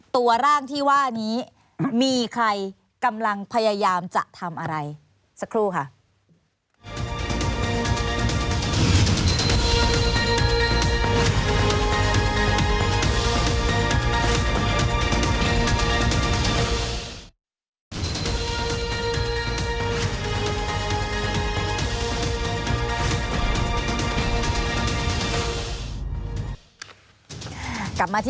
ตัวร่างที่ว่านี้มีใครกำลังพยายามจะทำอะไร